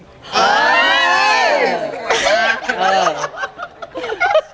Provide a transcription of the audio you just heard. ได้ค่ะ